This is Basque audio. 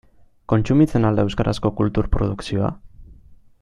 Kontsumitzen al da euskarazko kultur produkzioa?